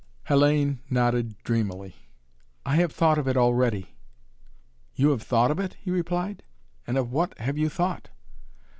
Hellayne nodded dreamily. "I have thought of it already." "You have thought of it?" he replied. "And of what have you thought?"